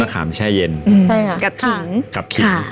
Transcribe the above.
มะขามแช่เย็นกับขิง